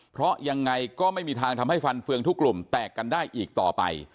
เพราะยังไงก็ไม่มีทางทำให้ฟันเฟืองทุกกลุ่มแตกกันได้อีกต่อไป